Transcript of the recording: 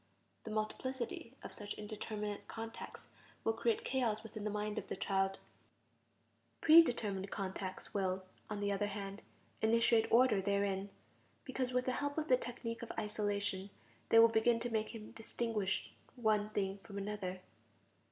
The multiplicity of such indeterminate contacts will create chaos within the mind of the child; pre determined contacts will, on the other hand, initiate order therein, because with the help of the technique of isolation, they will begin to make him distinguish one thing from another.